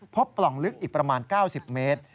ปล่องลึกอีกประมาณ๙๐เมตร